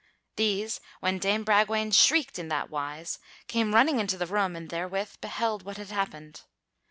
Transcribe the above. These, when Dame Bragwaine shrieked in that wise, came running into the room and therewith beheld what had happened.